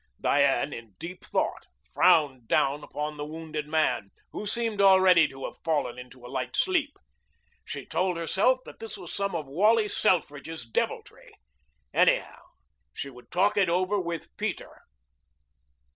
Diane, in deep thought, frowned down upon the wounded man, who seemed already to have fallen into a light sleep. She told herself that this was some of Wally Selfridge's deviltry. Anyhow, she would talk it over with Peter.